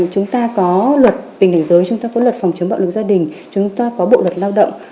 chúng ta có luật bình đẳng giới chúng ta có luật phòng chống bạo lực gia đình chúng ta có bộ luật lao động